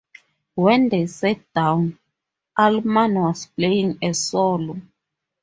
When they sat down, Allman was playing a solo.